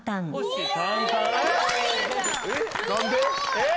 えっ？